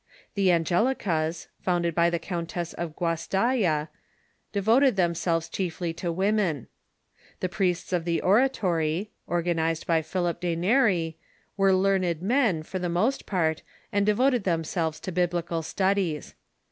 The Angelicas, founded by the Countess Guastalla, devoted themselves chiefly to women. The Priests of the Oratory, organized by Philip de THE ORDER OF JESUITS 289 Neri, were learned men, for the most part, and. devoted them selves to Biblical studies.